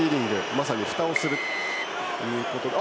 まさに、ふたをするということで。